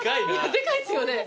でかいっすよね。